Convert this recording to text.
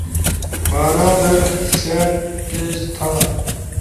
بارا در، سأت، پیش تھا